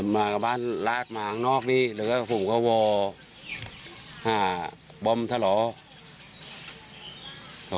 มากลับบ้านลากมาข้างนอกนี่หรือว่าก็พูดว่าวอร์บอมเท่าไหร่